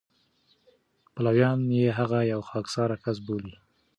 پلویان یې هغه یو خاکساره کس بولي.